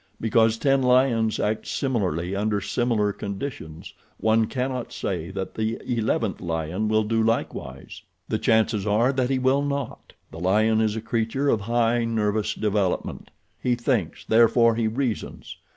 Because ten lions act similarly under similar conditions one cannot say that the eleventh lion will do likewise—the chances are that he will not. The lion is a creature of high nervous development. He thinks, therefore he reasons.